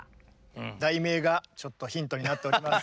題名がちょっとヒントになっております。